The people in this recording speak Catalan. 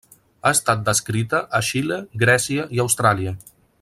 Ha estat descrita a Xile, Grècia i Austràlia.